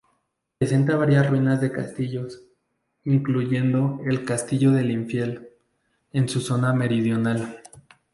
Presenta varias ruinas de castillos, incluyendo el "Castillo del Infiel", en su zona meridional.